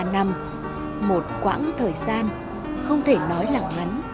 hai mươi ba năm một quãng thời gian không thể nói là ngắn